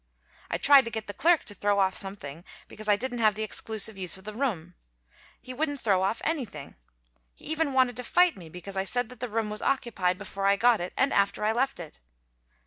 I tried to get the clerk to throw off something because I didn't have the exclusive use of the room. He wouldn't throw off anything. He even wanted to fight me because I said that the room was occupied before I got it and after I left it.